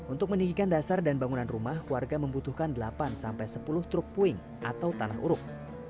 untuk meninggikan dasar dan bangunan rumah warga membutuhkan delapan sampai sepuluh truk puing atau tanah uruk